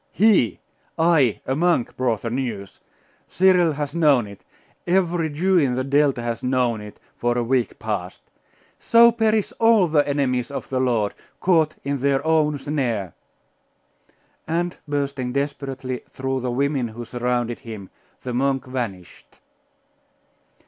He! I, a monk, brought the news! Cyril has known it every Jew in the Delta has known it, for a week past! So perish all the enemies of the Lord, caught in their own snare!' And bursting desperately through the women who surrounded him, the monk vanished.